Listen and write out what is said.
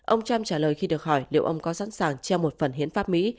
ông trump trả lời khi được hỏi liệu ông có sẵn sàng treo một phần hiến pháp mỹ